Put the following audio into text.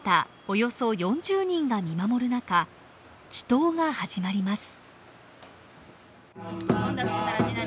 およそ４０人が見守るなか祈祷が始まります。